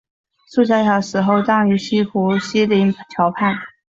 苏小小死后葬于西湖西泠桥畔。